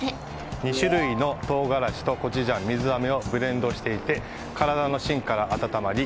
２種類の唐辛子とコチュジャン、水あめをブレンドしていて体の芯から温まり